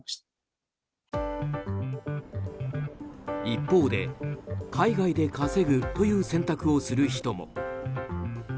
一方で、海外で稼ぐという選択をする人も。